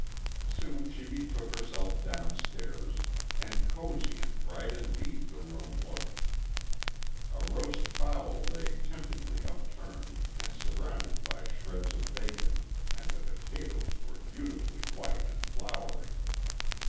Soon she betook herself downstairs, and cosy and bright indeed the room looked. A roast fowl lay temptingly upturned and surrounded by shreds of bacon, and the potatoes were beautifully white and flowery.